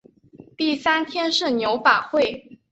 第三天是牛法会。